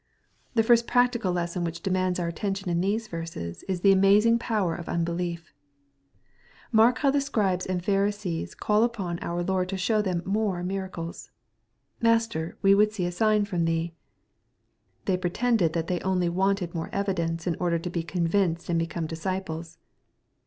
The first practical lesson which demands our attention in these verses, is the amazing power of unbelief, Mark how the Scribes and Pharisees call upon our Lord to show them more miracles, " Master, we would Bee a sign from thee/' They pretended that they only wanted more evidence, in order to be convinced, and become disciples.